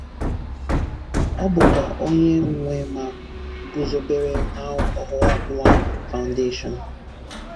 Ọ bụkwa onye nwe ma guzobere Mao Ohuabunwa Foundation.